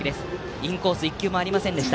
インコースは１球もありませんでした。